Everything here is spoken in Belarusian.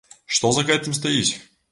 Што за гэтым стаіць?